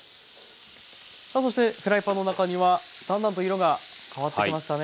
さあそしてフライパンの中にはだんだんと色が変わってきましたね豚バラ肉。